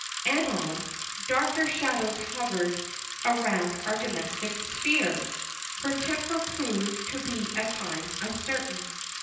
Anon, darker shadows hovered around our domestic sphere. Her temper proved to be at times uncertain.